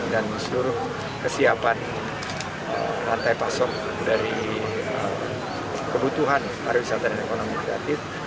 dan suruh kesiapan lantai pasok dari kebutuhan pariwisata dan ekonomi kreatif